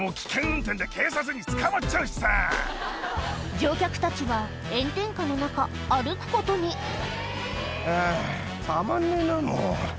乗客たちは炎天下の中歩くことにあぁたまんねえなもう。